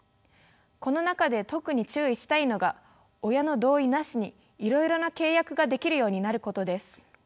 この中で特に注意したいのが親の同意なしにいろいろな契約ができるようになることです。